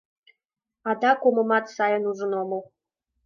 Адак омымат сайым ужын омыл.